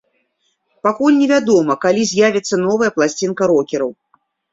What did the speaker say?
Пакуль не вядома, калі з'явіцца новая пласцінка рокераў.